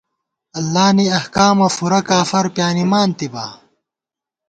اللہ نی احکامہ فُورہ کافَر پیانِمان تِبا